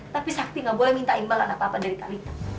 tapi sakti nggak boleh minta imbalan apa apa dari talita